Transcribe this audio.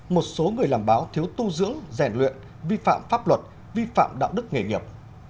một số người làm báo thiếu tu dưỡng rèn luyện vi phạm pháp luật vi phạm đạo đức nghề nghiệp